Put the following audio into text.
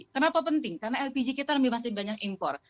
kenapa penting karena lpg kita lebih masih banyak impor